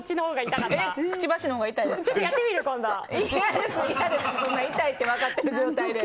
嫌です痛いって分かってる状態で。